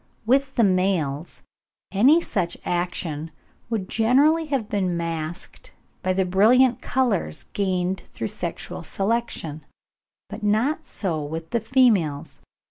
') With the males, any such action would generally have been masked by the brilliant colours gained through sexual selection; but not so with the females.